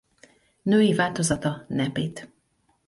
Női változata Nepit.